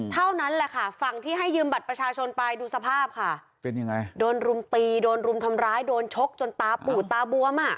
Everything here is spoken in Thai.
เท่านั้นแหละค่ะฝั่งที่ให้ยืมบัตรประชาชนไปดูสภาพค่ะเป็นยังไงโดนรุมตีโดนรุมทำร้ายโดนชกจนตาปูดตาบวมอ่ะ